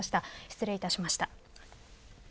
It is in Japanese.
失礼いたしました。